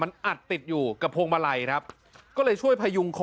มันอัดติดอยู่กับพวงมาลัยครับก็เลยช่วยพยุงคอ